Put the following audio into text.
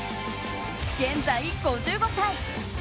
現在、５５歳。